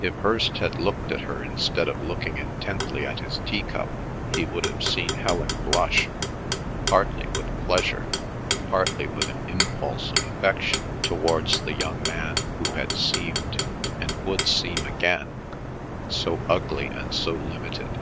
If Hirst had looked at her instead of looking intently at his teacup he would have seen Helen blush, partly with pleasure, partly with an impulse of affection towards the young man who had seemed, and would seem again, so ugly and so limited.